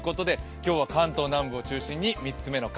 今日は関東南部を中心に３つ目の「か」